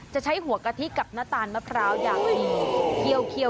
จะใช้หัวกะทิกับหน้าตาลมะพร้าวอย่างดี